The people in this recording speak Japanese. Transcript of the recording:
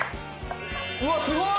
うわっすごい！